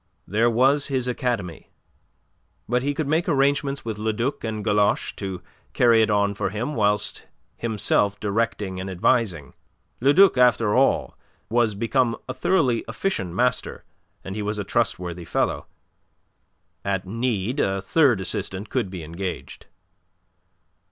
There was his academy. But he could make arrangements with Le Duc and Galoche to carry it on for him whilst himself directing and advising. Le Duc, after all, was become a thoroughly efficient master, and he was a trustworthy fellow. At need a third assistant could be engaged.